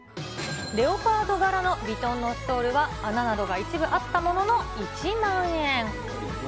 レオパード柄のヴィトンのストールは、穴が一部あったものの１万円。